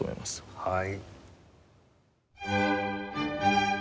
はい。